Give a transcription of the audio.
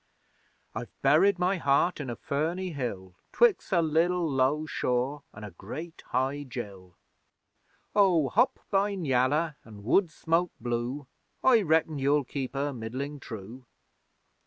I've buried my heart in a ferny hill, Twix' a liddle low shaw an' a great high gill. Oh, hop bine yaller an' woodsmoke blue, I reckon you'll keep her middling true!